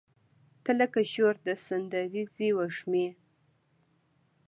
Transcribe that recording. تۀ لکه شور د سندریزې وږمې